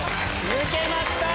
抜けました！